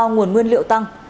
nguyên liệu tăng